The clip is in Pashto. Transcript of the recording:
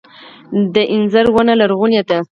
د انځر ونه لرغونې ده